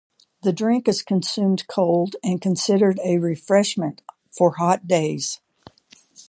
The drink is consumed cold and considered a refreshment for hot days.